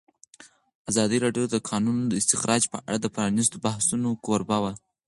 ازادي راډیو د د کانونو استخراج په اړه د پرانیستو بحثونو کوربه وه.